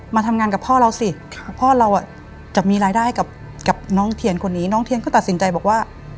มาทำงานกับพ่อเราสิพ่อเราจะมีรายได้กับน้องเทียนคนนี้น้องเทียนก็ตัดสินใจบอกว่า